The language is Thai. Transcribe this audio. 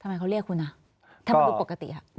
ทำไมเขาเรียกคุณทำไมมันเป็นปกติครับ